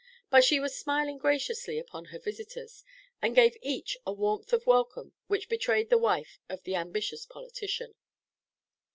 But she was smiling graciously upon her visitors, and gave each a warmth of welcome which betrayed the wife of the ambitious politician.